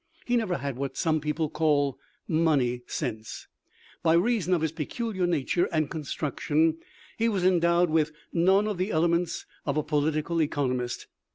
He never had what some people call " money sense." By reason of his peculiar nature and construction he was endowed with none of the elements of a political economist.